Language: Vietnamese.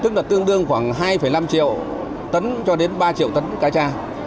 tức là tương đương khoảng hai năm triệu tấn cho đến ba triệu tấn cá cha